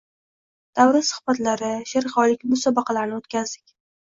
Davra suhbatlari, she’rxonlik musobaqalarini o‘tkazdik.